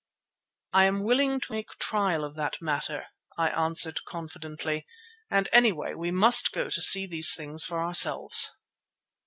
"I am willing to make trial of that matter," I answered confidently, "and any way we must go to see these things for ourselves."